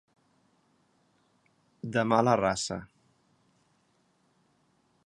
De mala raça.